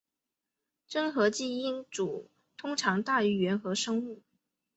真核基因组通常大于原核生物。